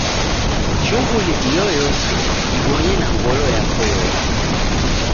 Shughuli iyoyose ibonye na ngolo yako yose.